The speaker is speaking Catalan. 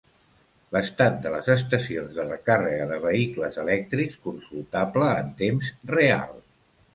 L'estat de les estacions de recàrrega de vehicles elèctrics, consultable en temps real.